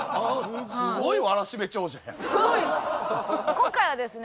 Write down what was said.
今回はですね